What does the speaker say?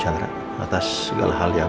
atas segala hal yang